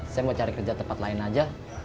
saya mau cari kerja tempat lain aja